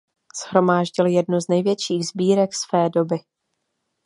Shromáždil jednu z největších sbírek své doby.